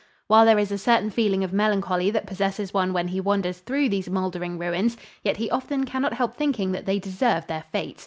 While there is a certain feeling of melancholy that possesses one when he wanders through these mouldering ruins, yet he often can not help thinking that they deserved their fate.